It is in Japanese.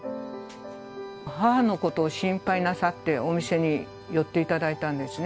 母のことを心配なさって、お店に寄っていただいたんですね。